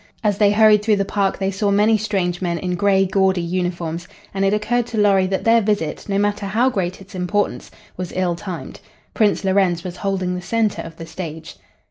As they hurried through the park they saw many strange men in gray, gaudy uniforms, and it occurred to Lorry that their visit, no matter how great its importance, was ill timed. Prince Lorenz was holding the center of the stage.